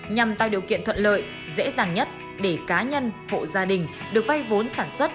nhằm tạo điều kiện thuận lợi dễ dàng nhất để cá nhân hộ gia đình được vay vốn sản xuất